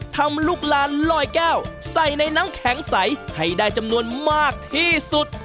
ทำลูกลานลอยแก้วใส่ในน้ำแข็งใสให้ได้จำนวนมากที่สุด